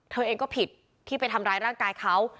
เธอเองก็ผิดที่ไปทำร้ายร่างกายเขา